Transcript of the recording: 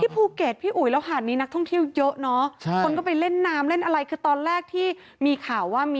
ภูเก็ตพี่อุ๋ยแล้วหาดนี้นักท่องเที่ยวเยอะเนอะคนก็ไปเล่นน้ำเล่นอะไรคือตอนแรกที่มีข่าวว่ามี